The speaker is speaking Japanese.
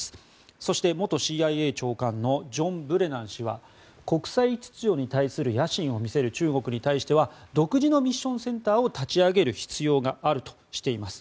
そして、元ＣＩＡ長官のジョン・ブレナン氏は国際秩序に対する野心を見せる中国に対しては独自のミッションセンターを立ち上げる必要があるとしています。